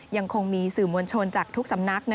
ยังคงมีสื่อมวลชนจากทุกสำนัก